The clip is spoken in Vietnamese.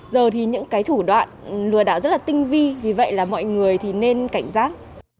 giờ thì những thủ đoạn lừa đảo rất tinh vi vì vậy mọi người nên cảnh giác